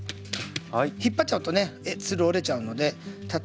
引っ張っちゃうとねつる折れちゃうのでたたいて。